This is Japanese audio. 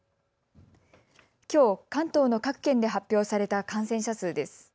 きょう関東の各県で発表された感染者数です。